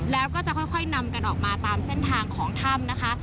แล้วก็จะค่อยนำกันออกมาตามเส้นทางของถ้ำนะคะ